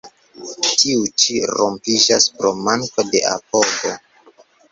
Tiu ĉi rompiĝas pro manko de apogo.